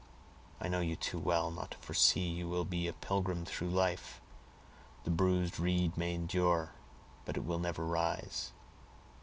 I know you too well not to foresee you will be a pilgrim through life. The bruised reed may endure, but it will never rise.